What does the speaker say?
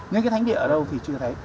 nhưng cái thánh địa ở đâu thì chưa thấy